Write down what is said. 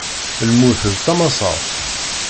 Lmut d tamassaṛt.